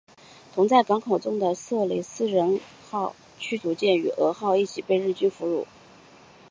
同在港口中的色雷斯人号驱逐舰与蛾号一起被日军俘获。